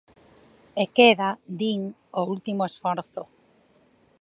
E queda, din, o último esforzo.